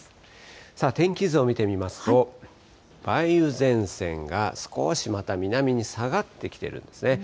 さあ、天気図を見てみますと、梅雨前線が少しまた南に下がってきているんですね。